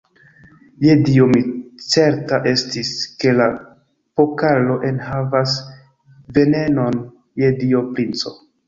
Je Dio, mi certa estis, ke la pokalo enhavas venenon, je Dio, princo!